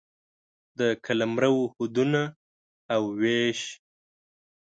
د قلمرو حدونه او وېش